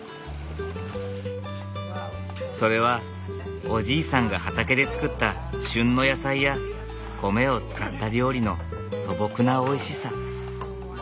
それはおじいさんが畑で作った旬の野菜や米を使った料理の素朴なおいしさ。